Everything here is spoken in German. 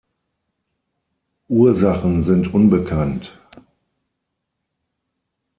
Ursachen sind unbekannt.